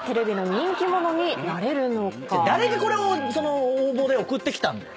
誰がこれを応募で送ってきたんだよ